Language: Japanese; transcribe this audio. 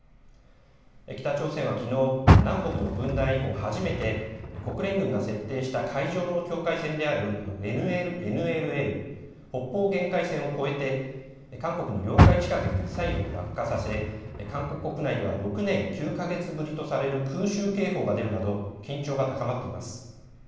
北朝鮮はきのう南北の分断以降、初めて国連軍が設定した海上の境界線であるＮＬＬ・北方限界線を越えて韓国の領海近くにミサイルを落下させ、韓国国内では６年９か月ぶりとされる空襲警報が出るなど緊張が高まっています。